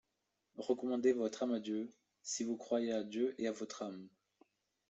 Recommandez votre âme à Dieu, si vous croyez à Dieu et à votre âme.